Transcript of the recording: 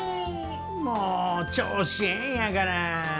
もう、調子ええんやから。